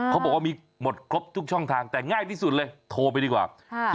เขาบอกว่ามีหมดครบทุกช่องทางแต่ง่ายที่สุดเลยโทรไปดีกว่า